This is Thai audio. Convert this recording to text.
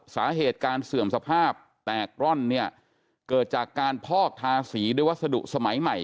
สาเหตุการเสื่อมสภาพแตกร่อนเนี่ยเกิดจากการพอกทาสีด้วยวัสดุสมัยใหม่